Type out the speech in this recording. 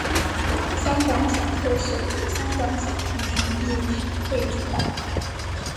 香港小特首由香港小童群益会主办。